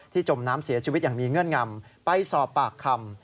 จมน้ำเสียชีวิตอย่างมีเงื่อนงำไปสอบปากคำ